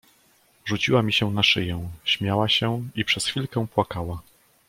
"Rzuciła mi się na szyję, śmiała się i przez chwilkę płakała."